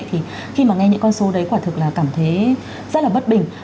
thì khi mà nghe những con số đấy quả thực là cảm thấy rất là bất bình